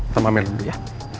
sampai main dulu ya